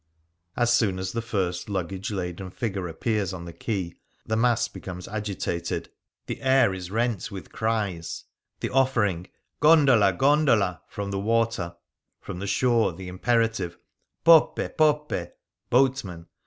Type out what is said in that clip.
As soon as the first luggage laden figure appears on the quay, the mass becomes agitated. The air is rent with cries : the offering, " Gondola ! gondola !" from the water ; from the shore the imperative, " Poppe ! poppe r (Boatman